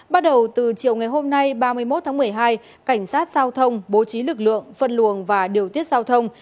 bắt đầu từ chiều ngày hôm nay ba mươi một tháng một mươi hai cảnh sát giao thông bố trí lực lượng phân luồng và điều tiết giao thông